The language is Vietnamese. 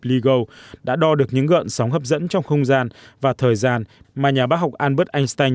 ligo đã đo được những gợn sóng hấp dẫn trong không gian và thời gian mà nhà bác học albert ekstin